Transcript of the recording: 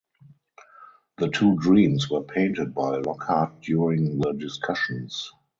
The two dreams were painted by Lockheart during the discussions.